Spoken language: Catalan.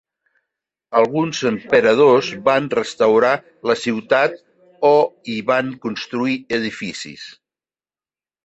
Alguns emperadors van restaurar la ciutat o hi van construir edificis.